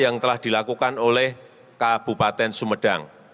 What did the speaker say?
yang telah dilakukan oleh kabupaten sumedang